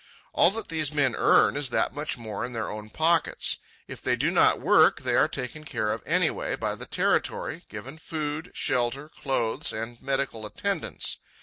All that these men earn is that much in their own pockets. If they do not work, they are taken care of anyway by the territory, given food, shelter, clothes, and medical attendance.